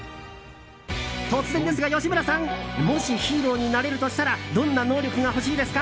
突然ですが吉村さんもし、ヒーローになれるとしたらどんな能力が欲しいですか？